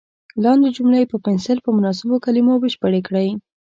لاندې جملې په پنسل په مناسبو کلمو بشپړې کړئ.